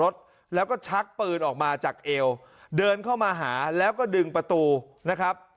รถแล้วก็ชักปืนออกมาจากเอวเดินเข้ามาหาแล้วก็ดึงประตูนะครับ